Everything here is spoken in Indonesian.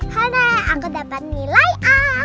hurray aku dapet nilai a